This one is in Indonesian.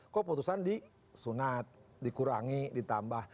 kok putusan disunat dikurangi ditambah